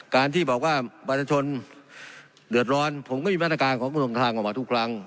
การที่บอกว่าประชาชนเดือดร้อนผมก็มีมาตรการของกรมทางออกมาทุกครั้ง